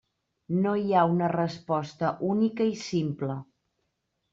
No hi ha una resposta única i simple.